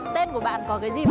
tiến đạt nguyễn